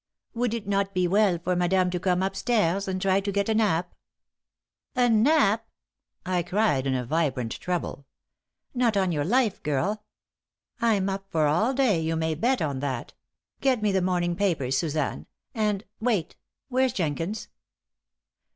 "Would it not be well for madame to come up stairs and try to get a nap?" "A nap!" I cried, in a vibrant treble. "Not on your life, girl! I'm up for all day, you may bet on that. Get me the morning papers, Suzanne. And wait! Where's Jenkins?"